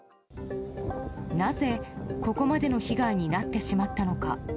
なぜここまでの被害になってしまったのか。